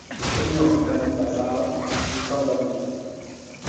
Rue Antanibazaha, M'Tsangamouji